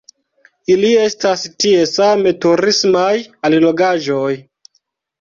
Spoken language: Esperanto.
Ili estas tie same turismaj allogaĵoj.